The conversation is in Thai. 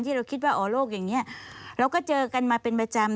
เราคิดว่าอ๋อโลกอย่างนี้เราก็เจอกันมาเป็นประจำ